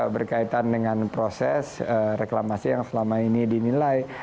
berkaitan dengan proses reklamasi yang selama ini dinilai